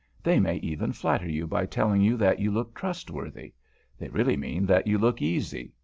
They may even flatter you by telling you that you look trustworthy. They really mean that you look easy.